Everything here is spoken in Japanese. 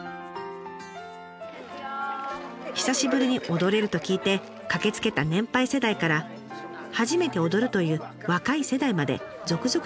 久しぶりに踊れると聞いて駆けつけた年配世代から初めて踊るという若い世代まで続々とやって来ました。